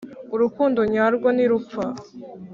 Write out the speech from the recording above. urukundo nyarwo ntirupfa.